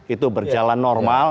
itu berjalan normal